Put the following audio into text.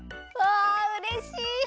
わうれしい！